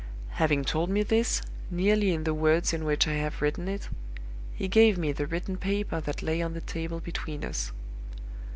"Having told me this, nearly in the words in which I have written it, he gave me the written paper that lay on the table between us.